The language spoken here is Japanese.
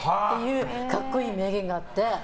格好いい名言があって。